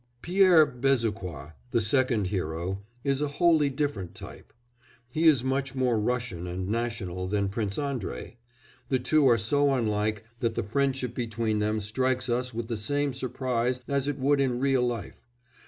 Pierre Bezukhoi the second hero is a wholly different type. He is much more Russian and national than Prince Andrei; the two are so unlike that the friendship between them strikes us with the same surprise as it would in real life.